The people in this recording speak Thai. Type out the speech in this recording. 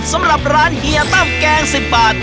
สำหรับร้านเฮียตั้มแกง๑๐บาท